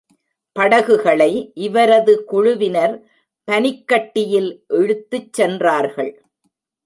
படகுகளை இவரது குழுவினர் பனிக்கட்டியில் இழுத்துச் சென்றார்கள்.